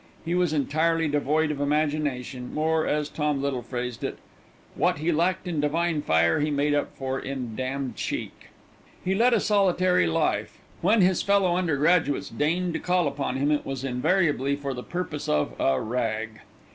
He was entirely devoid of imagination, or, as Tom Little phrased it, "What he lacked in divine fire, he made up for in damned cheek." He led a solitary life. When his fellow undergraduates deigned to call upon him it was invariably for the purpose of a "rag."